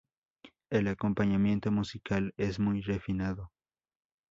El acompañamiento musical es muy refinado.